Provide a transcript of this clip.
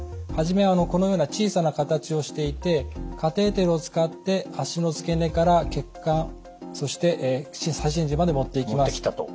初めはこのような小さな形をしていてカテーテルを使って脚の付け根から血管そして左心耳まで持っていきます。